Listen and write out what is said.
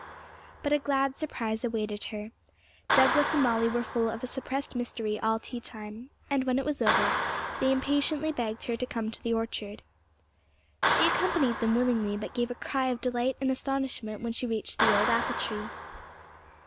But a glad surprise awaited her. Douglas and Molly were full of a suppressed mystery all tea time; and, when it was over, they impatiently begged her to come to the orchard. She accompanied them willingly, but gave a cry of delight and astonishment when she reached the old apple tree.